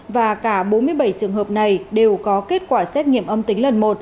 và cả bốn mươi bảy trường hợp này đều có kết quả xét nghiệm âm tính lần một